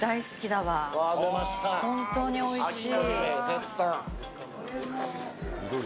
本当においしい。